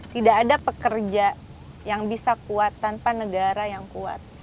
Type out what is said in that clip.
tidak ada pekerja yang bisa kuat tanpa negara yang kuat